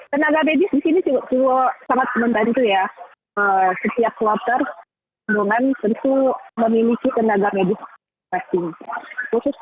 tenaga medis ini juga sangat membantu ya setiap klub tersebut memiliki tenaga medis